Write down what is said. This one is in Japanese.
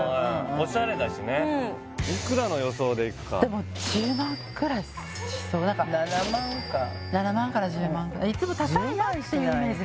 オシャレだしねうんいくらの予想でいくかでも１０万くらいしそう７万か７万から１０万くらいいつも高いなっていうイメージ